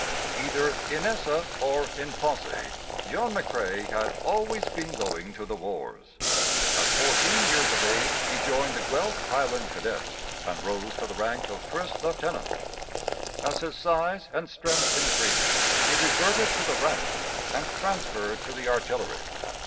Either 'in esse' or 'in posse' John McCrae had "always been going to the wars." At fourteen years of age he joined the Guelph Highland Cadets, and rose to the rank of 1st Lieutenant. As his size and strength increased he reverted to the ranks and transferred to the Artillery.